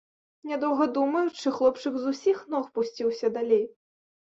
Нядоўга думаючы, хлопчык з усіх ног пусціўся далей.